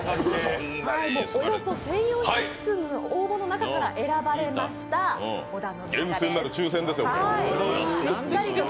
およそ１４００通の応募の中から選ばれました小田信長さんです。